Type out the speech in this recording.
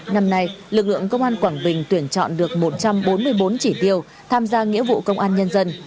năm nay lực lượng công an quảng bình tuyển chọn được một trăm bốn mươi bốn chỉ tiêu tham gia nghĩa vụ công an nhân dân